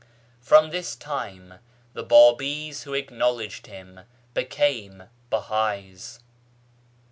From this time, the Babis who acknowledged him became Bahais.